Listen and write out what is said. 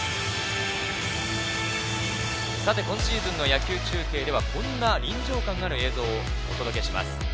今シーズンの野球中継ではこんな臨場感ある映像をお届けします。